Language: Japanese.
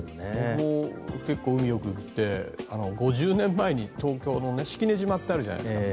僕も結構海によく行って５０年前に、東京の式根島ってあるじゃないですか。